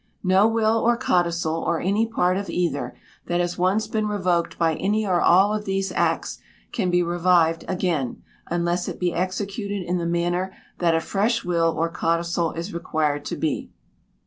No Will or Codicil, or any part of either, that has once been revoked by any or all of these acts, can be revived again, unless it be executed in the manner that a fresh will or codicil is required to be.